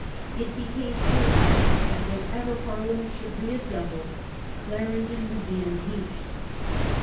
It became certain that whenever Parliament should reassemble Clarendon would be impeached.